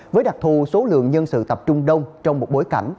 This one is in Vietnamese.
với đặc thù số lượng nhân sự tập trung đông trong một bối cảnh